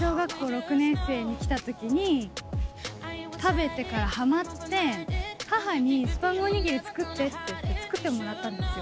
記憶上だと小学校６年生で来たときに食べてからはまって、母にスパムお握り作ってって言って、作ってもらったんですよ。